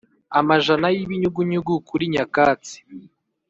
amajana y'ibinyugunyugu kuri nyakatsi.